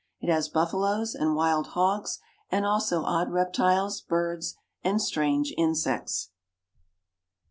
It has buffaloes and wild hogs, and also odd reptiles, birds, and strange insects.